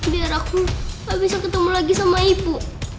biar aku gak bisa ketemu lagi sama ibu